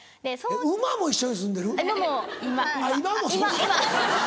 何で馬と一緒に住んでる？